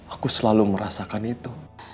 aku selalu merasakan itu